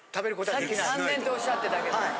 さっき３年っておっしゃってたけど。